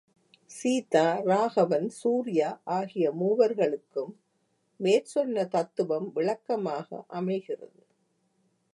சீதா, ராகவன், சூர்யா ஆகிய மூவர்களுக்கும் மேற்சொன்ன தத்துவம் விளக்கமாக அமைகிறது!